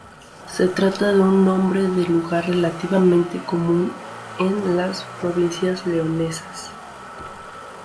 Se trata de un nombre de lugar relativamente común en las provincias leonesas.